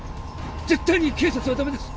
絶対に警察は駄目です。